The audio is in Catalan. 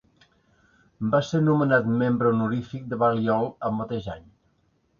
Va ser nomenat membre honorífic de Balliol el mateix any.